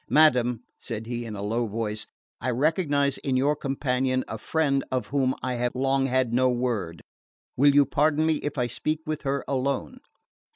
"Madam," said he in a low voice, "I recognise in your companion a friend of whom I have long had no word. Will you pardon me if I speak with her alone?"